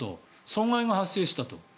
損害が発生したと。